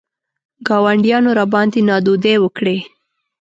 ګاونډیانو راباندې نادودې وکړې.